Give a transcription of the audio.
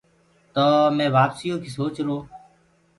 تو مي وآپسيٚ يو ڪيٚ سوچرو۔